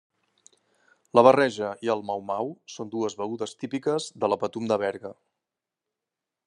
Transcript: La barreja i el mau-mau són dues begudes típiques de la Patum de Berga.